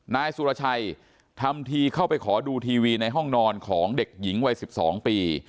นายสุรชัยทำทีเข้าไปขอดูทีวีในห้องนอนของเด็กหญิงวัย๑๒ปี